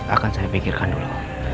akan saya pikirkan dulu